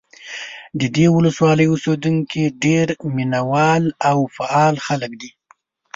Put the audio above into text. د دې ولسوالۍ اوسېدونکي ډېر مینه وال او فعال خلک دي.